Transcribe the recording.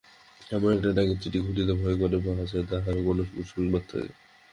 আমার একটা ডাকের চিঠি খুলিতে ভয় করে, পাছে তাহাতে কোনো কুসংবাদ থাকে।